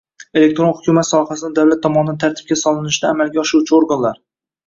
Elektron hukumat sohasini davlat tomonidan tartibga solishni amalga oshiruvchi organlar